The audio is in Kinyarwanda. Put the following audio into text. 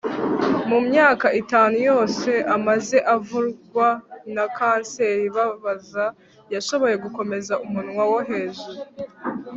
Mu myaka itanu yose amaze avurwa na kanseri ibabaza yashoboye gukomeza umunwa wo hejuru